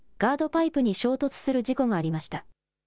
パイプに衝突する事故がありました。